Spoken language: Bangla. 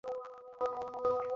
যাই হোক, আমি এডেন।